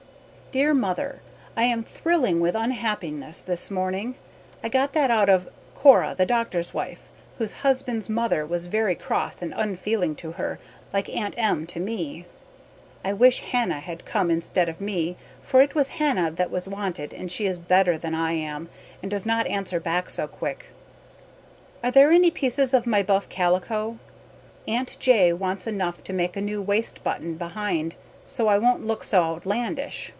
Dear Mother, I am thrilling with unhappyness this morning. I got that out of Cora The Doctor's Wife whose husband's mother was very cross and unfealing to her like Aunt M. to me. I wish Hannah had come instead of me for it was Hannah that was wanted and she is better than I am and does not answer back so quick. Are there any peaces of my buff calico. Aunt J. wants enough to make a new waste button behind so I wont look so outlandish.